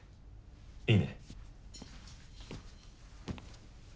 いいね。